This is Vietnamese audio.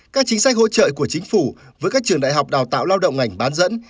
các chính sách hỗ trợ của chính phủ với các trường đại học đào tạo lao động ngành bán dẫn